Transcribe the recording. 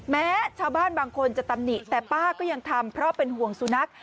แม้ชาวบ้านบางคนจะตำหนิแต่ป้าก็ยังทำเพราะเป็นห่วงสุนัข